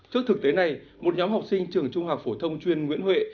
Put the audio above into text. trước thực tế này một nhóm học sinh trường trung học phổ thông chuyên nguyễn huệ